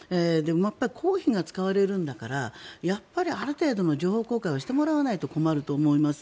公費が使われるんだからやっぱりある程度の情報公開はしてもらわないと困ると思います。